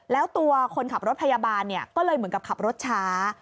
แล้วตัวคนขับรถพยาบาลก็เลยเหมือนกับขับรถช้า